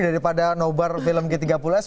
daripada nobar film g tiga puluh s